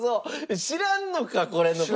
知らんのかこれの事。